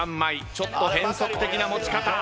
ちょっと変則的な持ち方。